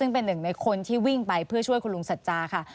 ซึ่งเป็นหนึ่งในคนที่วิ่งไปเพื่อช่วยคุณลุงสัจจาค่ะ